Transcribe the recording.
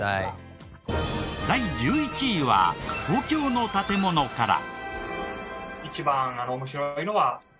第１１位は公共の建ものから。